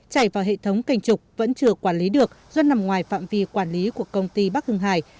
chảy vào hệ thống canh trục vẫn chưa quản lý được do nằm ngoài phạm vi quản lý của công ty bắc hưng hải